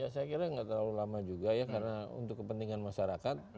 saya kira nggak terlalu lama juga ya karena untuk kepentingan masyarakat